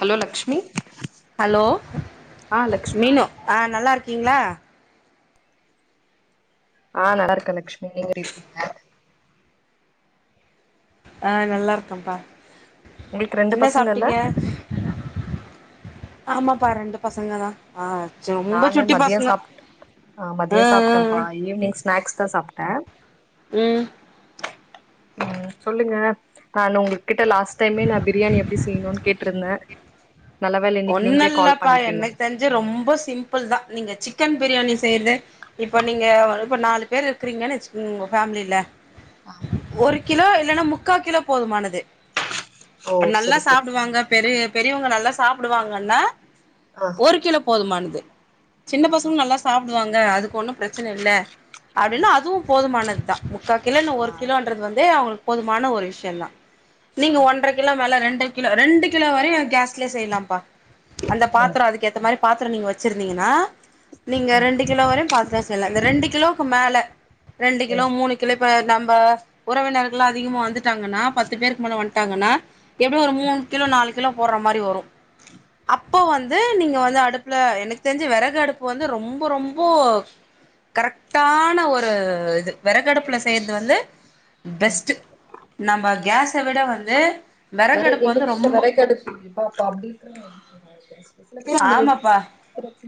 hello Lakshmi hello ஆ லக்ஷ் மீனு ஆ நல்லா இருக்கீங்களா ஆ நல்லா இருக்கே லக்ஷ்மி நீங்க எப்டி இருக்கீங்க ஆ நல்லா இருக்கப்பா உங்களுக்கு ரெண்டு என்ன பசங்கல்ல சாப்ட்டீங்க ஆமாப்பா ரெண்டு பசங்க தா ஆ ரொம்ப நானு சுட்டி மத்யம் பசங்க சாப்ட மத்யம் ம் சாப்டபா ம் ஈவினிங் ஸ்நாக்ஸ் தா சாப்டே ம் ம் சொல்லுங்க கால்ல உங்களுக் உங்ககிட்ட லாஸ்ட் டைமே நா பிரியாணி எப்டி செய்ணுன் கேட்ருந்த நல்ல வேல இன்னைக்கு நீங்ளே கால் பண்ணிட்டீங்க ஞ்சு ரொம்ப சிம்பிள் தா நீங்க சிக்கன் பிரியாணி செய்றது இப்ப நீங்க இப்ப நாலு பேர் இருக்றீங்கன்னு வச்சுக்கோங்க உங்க ஃபேமிலில ஆ ஒரு கிலோ இல்லனா முக்கா கிலோ போதுமானது ஓ இப்ப நல்லா சரி சரி சாப்டுவாங்க பெரிய பெரியவுங்க நல்லா சாப்டுவாங்கன்னா ஆ ஒரு கிலோ போதுமானது சின்ன ஆ பசங்களு நல்லா சாப்டுவாங்க அதுக்கு ஒன்னு பிரச்சன இல்ல ஆ அப்டினா அதுவு போதுமானது தா முக்கா கிலோ இன்ன ஆ ஒரு கிலோன்றது வந் து அவுங்களுக்கு போதுமான ஒரு விஷ்யோ தா ஆ நீங்க ஒன்ற கிலோ மேல ரெண்டு கிலோ ரெண்டு கிலோ வரையு கேஸ் ட்லே செய்லாம்பா அந்த ம் பாத்தரோ அதுக்கேத்த மாரி பாத்தரோ நீங்க வச்சிருந்தீங்கனா நீங்க ம் ரெண்டு கிலோ வரையு பாத்தரோ செய்லா இந்த ரெண்டு கிலோக்கு மேல ரெண்டு கிலோ ம் மூணு சில பேர் நம்ப உறவினர்கள்ளா அதிகமா வந்துட்டாங்கனா பத்து பேருக்கு மேல வன்டாங்கனா எப்டியு ஒரு மூணு கிலோ நாலு கிலோ போட்ற மாரி வரு அப்போ வந்து நீங்க வந்து அடுப்புல எனக்கு தெரிஞ்சு வெறகு அடுப்பு வந்து ரொம்ப ரொம்போ கரெக்ட்டான ஒரு இது வெறகடுப்புல செய்றது வந்து ம் பெஸ்ட்டு நம்ப கேஸ விட வந்து வெர வெறகடுப்பு எங்க வந்து வீட்ல ரொம்ப விறகடுப்பு இல்லைங் ஆமாப்பா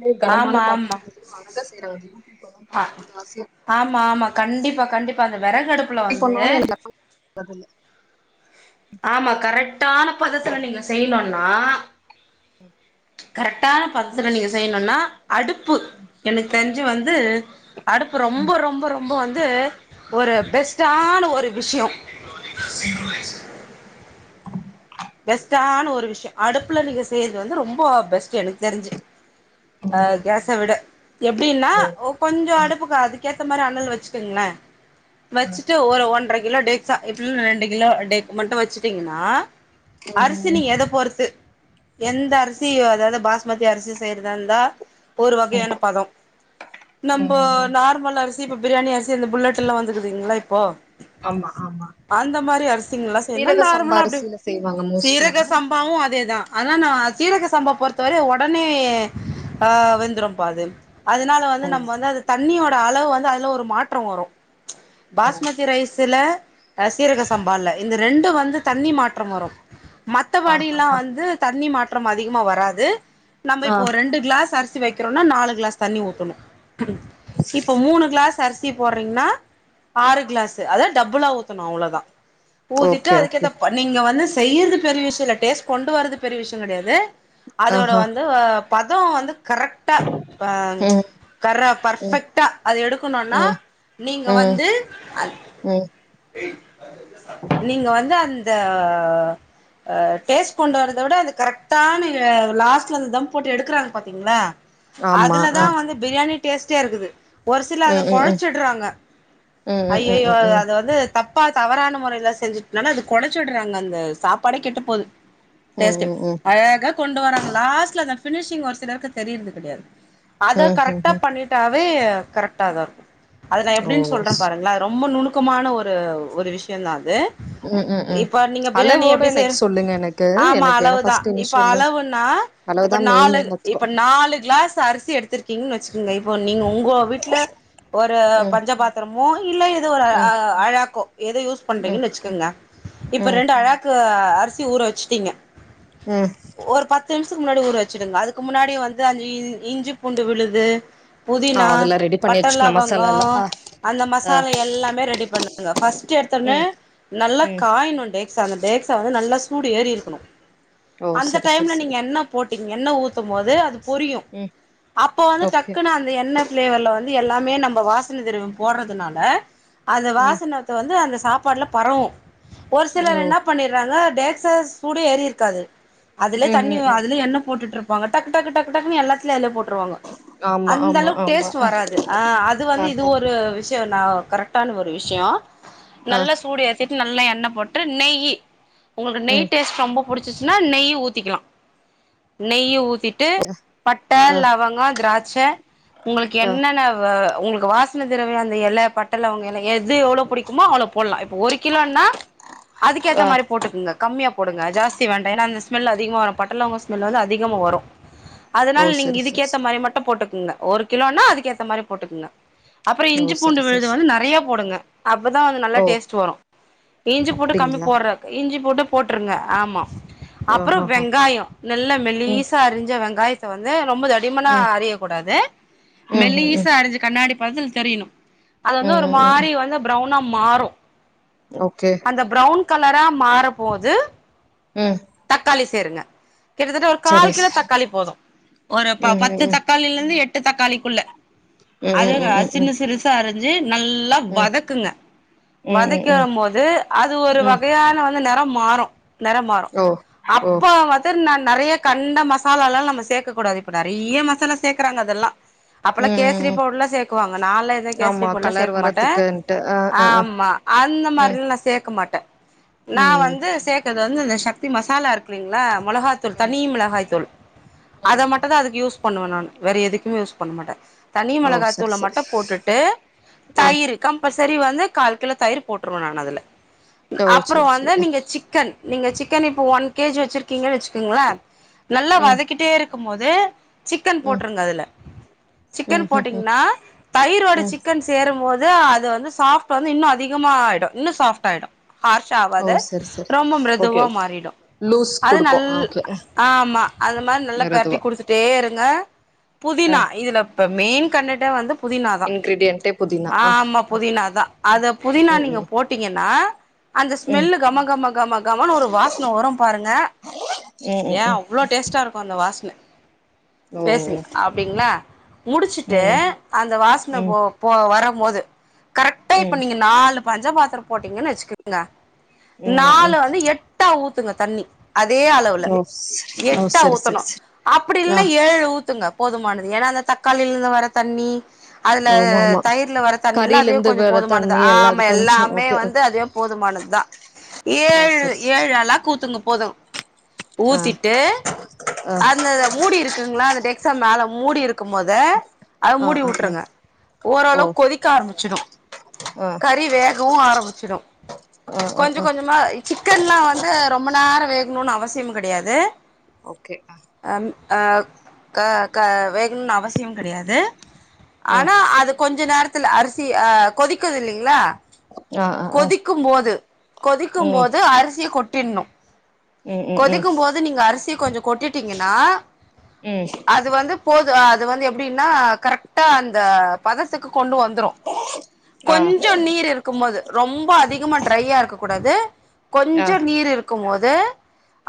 [inaudible] கனமான ஆமா ஆமா பாத்திரத்தில் எவ்ளோ அலகா செய்றாங்க அந்த யூடியூபலா ஆ பாக்கும் போது ஆசையா ஆமா ஆமா கண்டிப்பா கண்டிப்பா அந்த வெறகடுப்புல எப்டி வந்து பண்ணாலு எனக்கு வரதில்ல ஆமா கரெக்டான பதத்துல நீங்க செய்ணுன்னா கரெக்டான பதத்துல நீங்க செய்ணுன்னா அடுப்பு எனக்கு தெரிஞ்சு வந்து அடுப்பு ரொம்ப ம் ரொம்ப ரொம்ப வந்து ஒரு பெஸ்ட்டான ஒரு விஷ்யோ ம் பெஸ்டானா ஒரு விஷ்யோ அடுப்புல நீங்க செய்றது வந்து ரொம்போ பெஸ்ட்டு எனக்கு தெரிஞ்சு அ ம் ஓகே ஓகே கேஸ விட எப்டின்னா ஓ ஒ கொஞ்சோ ஆ அடுப்புக்கு அதுக்கேத்த மாரி அனல் வச்சுக்கோங்ள ஆ வச்சுட்டு ஒரு ஒன்ற கிலோ டேக் சா இப்ப ரெண்டு கிலோ டேக் மட்டு வச்சுட்டீங்கன்னா அரிசி ம் ம் ம் நீங்க எத பொருத்து எந்த அரிசியோ அதாவது பாஸ்மதி அரிசி செய்யுறதா இருந்தா ஒரு வகையான பதோ நம்போ நார்மல் அரிசி இப்ப பிரியாணி அரிசி அந்த புல்லட்டுல்லா வந்துக்குதுங்ள இப்போ ஆம்மா ஆமா அந்த மாரி அரிசிங்கல்லா செய்னுன்னா சீரக சம்பா நார்மலா அப்டே அரிசில செய்வாங்க மோஸ்ட்டா சீரக சம்பாவு அதேதா அதனா சீரக சம்பா பொறுத்தவரையு ஒடனே அ வெந்துரும்பா அது அதனால தா வந்து ஓ நம்ப வந்து அது தண்ணியோட அளவு வந்து அதுல ஒரு மாற்றோ வரு ஓ பாஸ்மதி ரைஸ்ஸுல அ சீரக சம்பால இந்த ரெண்டு வந்து தண்ணி மாற்றம் வரு ஆ ஹா மத்தப்படியில்ல ஹா வந்து தண்ணி மாற்றம் அதிகமா வராது நம்ம ஆ இப்போ ரெண்டு கிளாஸ் அரி சி வைக்கிறோனா நாலு கிளாஸ் தண்ணி ஊத்தணு இப்ப மூணு கிளாஸ் அரிசி போடுறீங்கன்னா ஆறு கிளாஸ் அத டபுளா ஊத்தணு அவ்ளோதா ஊதிட்டு ஓகே ஓகே அதுக்கேத்தப் பண் நீங்க வந்து செய்யிறது பெரிய விஷயோ இல்ல டேஸ்ட் கொண்டு வர்றது பெரிய விஷயோ கிடையாது ஆ அதோட ஹா வந்து பதோ வந்து கரெக்டா அ ம் வரா ம் பர்ஃபக்ட்டா அத எடுக்கனுன்னா ம் நீங்க ம் வந்து ம் நீங்க வந்து அந்த அ டேஸ்ட் கொண்டு வரதை விட அது கரெக்ட் டான லாஸ்ட்டுல தம்போட்டு எடுக்குறாங்க பாத்தீங்களா ஆமா அதுலதா ஆ வந்து பிரியாணி டேஸ்ட்டே இருக்குது ஒரு சிலர் அதை ம் ம் ம் குழச்சிடுறாங்க ம் ம் ம் ஐயயோ ம் அது வந்து தப் ப்பா தவறான முறையில செஞ்சுட்டுனாலா அது குழச்சிடுறாங்க அந்த சாப்பாடே கெட்டுப்போது ம் டேஸ்ட்டு ம் அழகா கொண்டு வராங்க லாஸ்ட்ல அந்த ஃபினிஷிங் ஒரு சிலருக்கு தெரியிரது கிடையாது ம் அத ம் ம் கரெக்டா ம் பண்ணிட்டாவே கரெக்டா தா இருக்கு அத நா ஓ எப்டின்னு சொல்றேன் ஸ் பாருங்களே அது ரொம்ப நுணுக்கமான ஒரு ஒரு விஷயந்தான் அது ம் ம் ம் இப்ப நீங்க பிரியாணி அளவோட எப்படி எனக்கு செய்யிற சொல்லுங்க எனக்கு ஆமா எனக்கு ஏன்னா அளவுதா ஃபர்ஸ்ட் இப்ப இனிஷியல்ல அளவுன்னா இப்ப அளவுதான் மெயின் நாலு எல்லாத்துக்கு இப்ப நாலு கிளாஸ் அரிசி எடுத்திருக்கிங்கனு வச்சுக்கோங்க இப்போ நீங்க உங்க விட்ல ஒரு ம் பஞ்சபாத்திரமோ இல்ல ஏதோ ஒரு ம் அழாக்கே ஏதோ யூஸ் ம் பண்றீங்கன்னு வச்சுக்கங்க இப்ப ம் ரெண்டு அழாக்கு அரிசி ஊற வச்சுட்டிங்க ம் ஒரு பத்து நிமிஷத்துக்கு முன்னாடி ஊற வச்சிடுங்க அதுக்கு முன்னாடி வந்து அஞ்சு இஞ்சி பூண்டு விழுது ஆ புதினா அதெல்லா ரெடி பண்ணி வச்சுக்கணு பட்டலவங்கோ மசாலால்லா ஆ அந்த ஆ மசாலா எல்லாமே ரெடி பண்ணு ங்க ஃபஸ்ட்டு எடுத்தோனே ம் நல்ல ம் காய்யனுண்டே அந்த தேக்சா வந்து நல்லா சூடு ஏறி இருக்கணு ஓ அந்த சரி சரி டைம்ல சரி நீங்க என்ன போட்டிங்க என்ன ஊத்தும் போது அது பொரியு ம் அப்ப வந்து ஓகே டக்குன்னு அந்த எண்ணெய் ஃப்ளேவர்ல வந்து எல்லாமே நம்ம வாசன திரவியம் போடுறதுனால அந்த ம் வாசனத்த வந்து அந்த சாப்பாடுல பரவு ஒரு சிலர் ஓ என்ன பண்ணி ருவாங்க தேக்சால சூடே ஏறி இருக்காது அதுலே ம் தண்ணி ம் ம் அதுலே எண்ணெய் போட்டுட்டு இருப் பாங்க டக்கு டக்கு டக்கு டக்குனு எல்லாத்துலயும் அதுல போட்டு ருவாங்க ஆமா அந்த ஆமா அளவுக்கு ஆமா டேஸ்ட் வராது அ அது ஆ வந்து இது ஆ ஒரு விஷய நா கரெக்டான ஒரு விஷயோ ஆ நல்ல சூடு ஏத்தி நல்ல எண்ணெ போட்டு நெய்யி உங்களுக்கு ம் நெய் டேஸ்ட் ரொம்ப புடிச்சச்சுன்னா நெய் ஊத்திக்கலா நெய் ஊத்திட்டு ஆ பட்டை லவ் வங்க திராட்சை உங்களுக்கு ஆ என்னென்ன உங்களுக்கு வாசன திரவிய அந்த எலை பட்ட லவங்கலா எது எவ்வளவு புடிக்குமோ அவ்ளோ போட்லா இப்ப ஒரு கிலோன்னா அதுக்கேத்த ஆ மாரி போட்டுக்குங்க கம்மியா போடுங்க ஜாஸ்தி வேண்டா ஏன்னா அந்த ஸ்மெல் அதிகமா வரு பட்டலவங்க ஸ்மெல் வந்து அதிகமா வரு ஓ அதுனால நீங்க சரி சரி இதுக்கேத்த சரி மாரி மட்டும் போட்டுக்குங்க ஒரு கிலோனா அதுக்கேத்த மாரி போட்டுக்குங்க அப்புறோ ஓ இஞ்சி பூண்டு சரி சரி விழுது சரி வந்து நறைய போடுங்க அப்போதா வந்து நல்ல ஓ டேஸ்ட் வரு இஞ்சி பூண்டு கம்மி அப்டிங்களா போடுறது இஞ்சி பூண்டு போட்டுருங்க ஆமா அப்புற ஆஹஹ வெங்காயோ நல்ல ம் மெலிசா அரிஞ்ச வெங்காயத்தை வந்து ரொம்ப தடிமனா ம் அரியக் கூடாது ம் ம் ம் மெல்லிசா அரிஞ்சு கண்ணாடி பார்த்த தெரியணு அது ம் வந்து ஒரு ம் ம் ம் மாரி வந்து ப்ரௌனா மாறும் ஓகே அந்த ப்ரௌன் கலரா மாறம்போது ம் தக்காளி சேருங்க கிட்டத்தட்ட ஒரு சரி கால் ஸ் கிலோ தக்காளி போது ஒரு ம் பத்து ம் தக்கா காளில இர்ந்து எட்டு தக்காளிக்குள்ள ம் ம் அதெ க ம் ம் ம் ம் சின்ன ம் சிறுசா அருஞ்சு நல் லா வதக்குங்க ம் வதக்கி ம் ம் வரம்போது அது ஒரு ம் வகையான வந் து நெறம் மாறு நெறம் மாறு ஓ ஓ அப்ப வந் [unintelligible] நெறைய கண்ட மசாலால்லா நம்ம சேக்கக்கூடாது இப்ப நெறைய மசாலா சேக்கறாங்க அதெல்லா ம் அப்பல்லா கேசரி ம் ம் பவுட்ருலா சேக்குவாங்க நால்லா எந்த கேசரி ஆமா பவுட்ருலா கலர் சேக்க மாட்டே வரதுக்குன்ட்டு ஆ ஆ ஆ ஆமா அந்த ம் மாரிலா நா சேக்க மாட்டே நா ம் ம் வந்து சேக்கற்து வந்து இந்த சக்தி மசாலா இருக்குல்லெங்ளா மொளகாத்தூள் ம் தனி மிளகாய் தூள் அத மட்டுந்தா அதுக்கு யூஸ் பண்ணுவே நான் வேற எதுக்குமே யூஸ் பண்ண மாட்டே தனி ஓ சரி மெளகாத்தூள சரி மட்டு போட்டுட்டு ஆ தயிரு கம்பல்சரி வந்து கால் கிலோ தயிர் போட்ருவே நான் அதுல ஓ அப்புறொ சரி சரி வந்து ஆ நீங்க சிக்கன் நீங்க சிக்கன் இப்போ ஒன் கேஜி வச்சுருக்கீங்கன் வச்சுக்கொங்ளே நல்லா ம் வதக்கிட்டே இருக்கும் போது சிக்கன் ம் போட்ருங்க அதுல ம் சிக்கன் ம் ம் போட்டீங்கன்னா தயிரோடு ம் சிக்கன் சேரும்போது அது வந்து சாஃப்ட் வந்து இன்னொ அதிகமா ஆய்டு இன்னொ சாஃப்ட் ஆய்டு ஹார்ஷா ஓ ஆவாது சரி சரி ரொம்ப ஓகே மிருதுவா ஓகே மாறிடு லூஸ் அது குடுக்கு நல் ஆ ஓகே அ ஆமா அது மாரி நல்லா பெர ட்டி மெருதுவா குடுத்துட்டே இருங்க ஆ புதினா இதுல இப்ப மெயின் கண்டெண்டே வந்து புதினா தா இன்கிரீடியன்ட்டே புதினா ஆ ஆமா புதினா தா அத புதினா ம் நீங்க ம் போட்டிங்கன்னா அந்த ம் ஸ்மெல்லு கம கம கம கமன்னு ஒரு வாசன வரு பாருங்க ம் ம் ஏன் ம் அவ்ளோ டேஸ்டா இருக்கு அந்த வாசன ஓ பேசுங்க அப்டிங்ளா முடுச்சுட்டு ம் அந்த வாசன ம் போ போ வரம் போது கரெக்ட்ரா இப்ப ம் நீங்க நாலு பஞ்ச பாத்தரொ போட்டிங்கனு வச்சுக்கங் கங்க ம் நால ம் வந்து எட்டா ஊத்துங்க தண்ணி அதே அளவுல எட்டா ஊத்தனு அ ஏழு ஊத்துங்க போதுமானது ஏன்னா அந்த தக்காளில இருந்து வர தண்ணி அதுல ஆமா ஆமா தயிர்ல வர தண்ணில்லா கறில அதுவே இருந்து கொஞ்சொ வர போதுமானது தண்ணி எல்லா அது ஆம கொஞ்சோ எல்லாமே ஓகே வந்து அதுவ் போதுமானத் தா ஆ ஏழு சரி சரி ஏழு அலாக் ஊத்துங்க போது ஆ ஊத்திட்டு ஆ அந்த மூடி இருக்குங்ளா அந்த டெக்ஸா மேல மூடி இருக்கும் போது அத ஆ மூடி ஆ ஆ வுட்ருங்க ஓ ஓரளவு கொதிக்க ஆரம்பிச்சுடு ஆ கறி வேகவு ஆரம்பிச்சுடு ஆ ஆ கொஞ்ச ஆ கொஞ்சமா சிக் க்கன்லா வந்து ரொம்ப நேரொ வேகுணுனு அவசியம் கெடையாது ஓகே அ அம் அ க க வேகணுன் அவசியம் கெடையாது ஆ ஆனா அது கொஞ்ச நேரத்துல அரிசி அ கொதிக்குது இல்லைங்ளா ஆ ஆ ஆ கொதிக்கும் போது கொதிக்கும் ம் போது அரிசிய கொட்டிட்னு ம் ம் ம் கொதிக்கும் போது நீங்க அரிசிய கொஞ்சொ கொட்டிடீங்கனா ம் அது வந்து போது அது வந்து எப்டினா கரக்டா அந்த பதத்துக்கு கொண்டு வந்துரு ஆ கொஞ்சொ நீர் இருக்கும் போது ரொம்ப அதிகமா ட்ரையா இருக்க கூடாது ஆ கொஞ்சொ நீர் இருக்கும் போது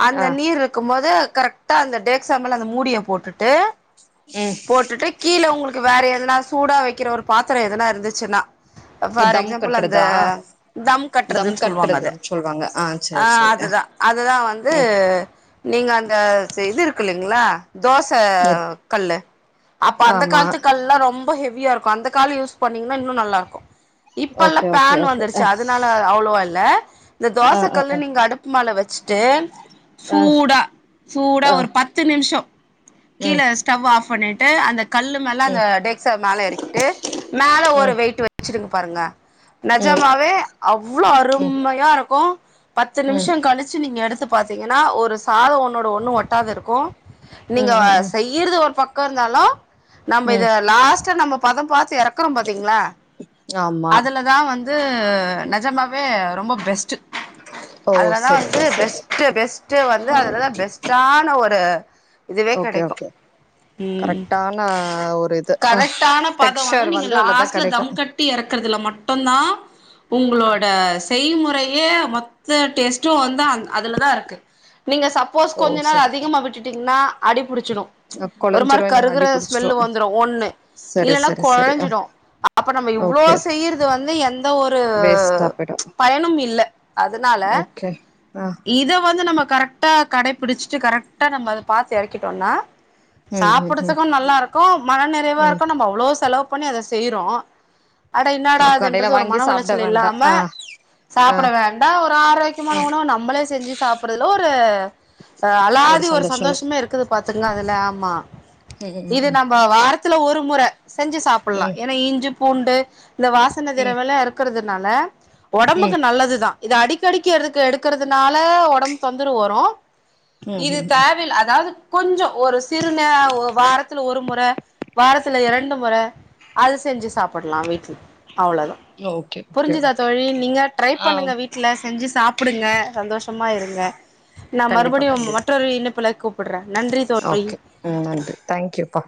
அந்த ஆ நீர் இருக்கும் போது கரெக் டா அந்த டேக்ஸா மேல அந்த மூடிய போட்டுட்டு ம் போட்டுட்டு கீழ உங்களுக்கு வேற எதனா சூடா வக்கிற ஒரு பாத்தரொ எதனா இருந்துச்சுனா ஃபார் தம் எக்ஸாம்புள் அந்த கட்டுறதா தம் கட்றதுன் சொல்வாங்க அத கட்டுறதுன்னு சொல்வாங்க ஆ சரி சரி அதுதா அதுதா வந்து ம் அ நீங்க அந்த சை இது இருக்கில்லைங்ளா தோச எது கல்லு அப்ப அந்த ஆமா காலத்துக்கல்லா ரொம்ப ஹெவியா இருக்கும் அந்த காலு யூஸ் பண்ணீங்னா இன்னு நல்லா இருக்கும் இப்பல்லா ஓகே ஓகே பேன் ஓகே அ வந்துருச்சு அதுனால அவ்ளோவா இல்ல இந்த ஆ தோச ஆ கல்லு ஆ நீங்க அடுப்பு மேல வச்சுட்டு ஆ சூடா சூடா ஆ ஒரு பத் த்து நிமிஷோ ம் கீழ ஸ்டவ் ஆஃப் பண்ணிட்டு அந்த கல்லு மேல ம் அந்த ம் டேக்சா மேல எறகிட்டு மேல ஒரு வெய்ட் வச்சிருங்க பாருங்க ம் ம் நெஜமாவே அவ்ளோ ம் அருமையா இருக்கும் பத்து நிமிஷம் கழிச்சு நீங்க எடுத்து பாத்தீங்கனா ஒரு சாதம் ஒன்னோட ஒண்ணு ஒட்டாத இருக்கும் நீங்க ம் ம் ம் செய் இருது ஒர் பக்கோ இருந்தாலும் நம்ப இத ம் லாஸ்ட்டா நம்ப பதம் பாத்து எறக் குறோம் பாத்தீங்ளா ஆமா அதுல தா வந்து நெஜமாவே ரொம்ப பெஸ்ட்டு ஓ அதுலதா சரி வந்து சரி சரி பெஸ்ட்டு பெஸ்ட்டு வந்து அதுலதா பெஸ்ட்டான ஒரு இதுவே ஓகே கெடைக்கும் ஓகே ம் கரெக்டான ஒரு இது அ கரக்டான பதம் வந்து டெக்ஸ்சர் நீங்க அதுலதா லாஸ்ட்ல கெடைக்கு தம் கட் டி எறக்குறதுல மட்டு தா உங்கு ளோட செய்மொறயே மொத்த டேஸ்ட்டும் வந்து அந் அதுல தா இருக்கு நீங்க சப் ப்போஸ் ஓ கொஞ்ச நேரம் சரி அதிகமா விட்டுடிங்னா அடி புடிச்சிடும் ஒரு மாரி கொலஞ்சிரு இல்லனா கருகுற அடி புடிச்சிரு ஸ்மெல்லு வந்துரு ஒண்ணு சரி இல்லனா சரி சரி அ கொழஞ்சிடும் அ அப்ப நம்ப இவ்ளோ ஓகே செய்றது வந்து எந் த ஒரு வேஸ்ட்டா போயிடு பயனும் இல்ல அதுனால ஓகே ஆ இத வந்து நம்ம கரெக்டா கடைபுடிச்சிட்டு கரெக்டா நம்ம அத பாத்து எறக்கிட்டோன்னா ம் ம் ம் சாப்புட்றதுக்கும் நல்லா இருக்கும் மன நெறைவா ம் இருக்கும் நம்ம அவ்ளோ செலவு பண்ணி அத செய்றோ அட இன்னாடா கடையில இதுன்றது ஒரு வாங்கி மன சாப்ட உளைச்சல் வேண்டா இல்லாம ஆ ஆ சாப்புட வேண்டா ஒரு ஆரோக்யமான உணவு நம்பளே செஞ்சு சாப்புற்றல ஒரு அ அளாதி ஒரு சந்தோஷமே இருக் குது பாத்துங்க அதுல ஆமா ம் ம் இது ம் நம்ப வாரத்துல ஒரு முற செஞ்சு சாப் பல்லா ம் ஏனா இஞ்சு பூண்டு இந்த வாசன ம் தெறவல்லா இருக்கறதுனால ஒடம்புக்கு ம் நல்லதுதா இத அடிக்கடிக்கி எருக்கு எடுக்கறதுனால ஒடம்பு தொந்தரவு வரும் ம் இது ம் தேவைல்ல அதாது கொஞ்சோ ஒரு சிறுநே ஒ வாரத்துல ஒரு மொற வாரத்துல இரண்டு மொற அது செஞ்சு சாப்புட்லா வீட்ல அவ்ளோதா ஓகே ஓகே புரிஞ்சுதா ஓகே தோழி நீங்க ட்ரை ஆ பண்ணுங்க வீட்ல செஞ்சு சாப்புடுங்க சந்தோஷ் மா இருங்க நான் கண்டிப்பா மறுபடியும் கண்டிப்பா மற்றொரு இண்ணைப்புல கூப்பிடுறேன் நன்றி தோழி ஓகே ம் நன்றி தேங்க்யூப்பா